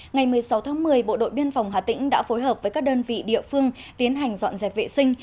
ngày một mươi sáu tháng một mươi bộ đội biên phòng hà tĩnh đã phối hợp với các đơn vị địa phương tiến hành dọn dẹp vệ sinh